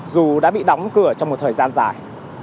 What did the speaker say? dù đã bị đóng cửa trong một thời gian dài